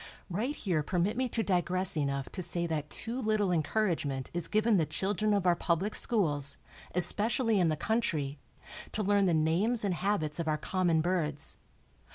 Right here permit me to digress enough to say that too little encouragement is given the children of our public schools, especially in the country, to learn the names and habits of our common birds.